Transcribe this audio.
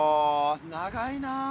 長いな。